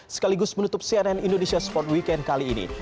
sekaligus menutup cnn indonesia sport weekend kali ini